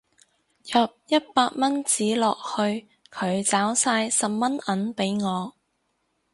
入一百蚊紙落去佢找晒十蚊銀俾我